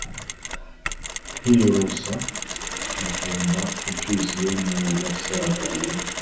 Nkiyorosa Muvumba imfizi yo mu basare